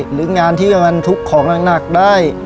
หรืองานที่จะบรรทุกของหนักได้